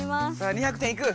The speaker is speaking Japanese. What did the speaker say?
２００点いく？